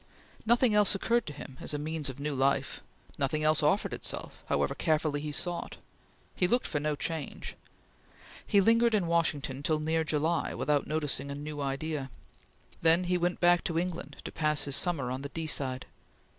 Nothing else occurred to him as a means of new life. Nothing else offered itself, however carefully he sought. He looked for no change. He lingered in Washington till near July without noticing a new idea. Then he went back to England to pass his summer on the Deeside.